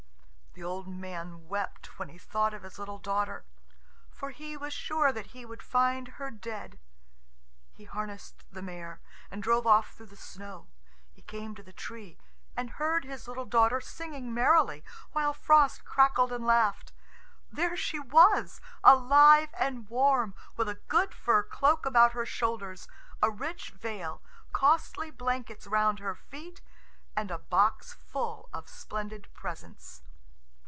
The old man wept when he thought of his little daughter, for he was sure that he would find her dead. He harnessed the mare, and drove off through the snow. He came to the tree, and heard his little daughter singing merrily, while Frost crackled and laughed. There she was, alive and warm, with a good fur cloak about her shoulders, a rich veil, costly blankets round her feet, and a box full of splendid presents.